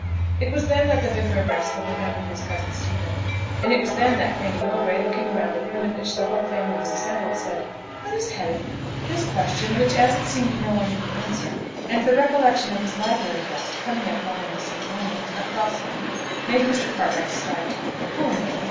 It was then that the Vicar of Wrexhill remembered his cousin Stephen. And it was then that Fanny Mowbray, looking round the room in which the whole family was assembled, said, "Where is Helen?" This question, which, as it seemed, no one could answer, and the recollection of his library guest, coming at one and the same moment across him, made Mr. Cartwright start. Poor man!